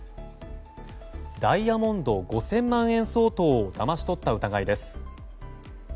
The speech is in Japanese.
ダイヤモンド５０００万円相当をだまし取った疑いです。